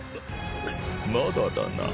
まだだな。